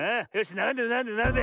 ならんでならんでならんで。